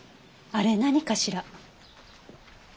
あれ何かしら？